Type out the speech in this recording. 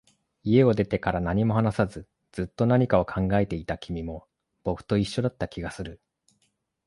家を出てから、何も話さず、ずっと何かを考えていた君も、僕と一緒だった気がする